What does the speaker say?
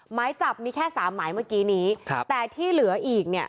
หมายจับมีแค่๓หมายเมื่อกี้นี้แต่ที่เหลืออีก